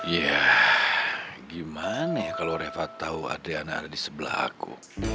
ya gimana kalo rev tau adriana ada di sebelah aku